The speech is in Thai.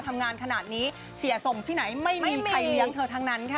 ทำงานขนาดนี้เสียส่งที่ไหนไม่มีใครเลี้ยงเธอทั้งนั้นค่ะ